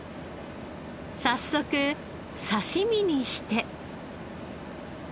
早速刺し身にして。